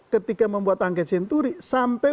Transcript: ketika membuat angket senturi sampai